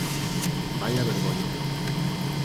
¡Vaia vergoña!